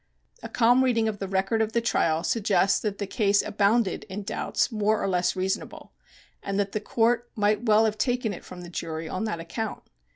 A calm reading of the record of the trial suggests that the case abounded in doubts more or less reasonable, and that the Court might well have taken it from the jury on that account.